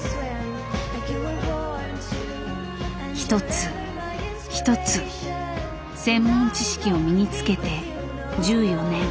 一つ一つ専門知識を身につけて１４年。